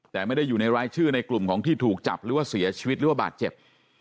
แต่ไม่ได้อยู่ในรายชื่อในกลุ่มของที่ถูกจับหรือว่าเสียชีวิตหรือว่าบาดเจ็บ